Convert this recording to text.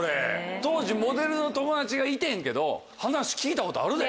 当時モデルの友達がいてんけど話聞いたことあるで。